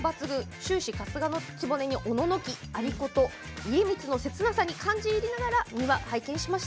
終始、春日局におののき有功、家光の切なさに感じ入りながら２話拝見しました。